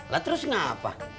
lah terus ngapa